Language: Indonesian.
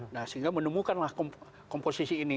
sehingga menemukanlah komposisi ini